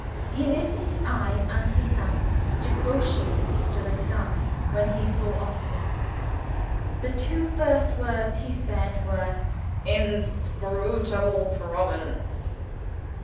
He lifted his eyes (and his lamp) devotionally to the sky when he saw Oscar. The two first words he said, were: "Inscrutable Providence!"